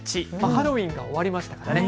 ハロウィーンが終わりましたからね。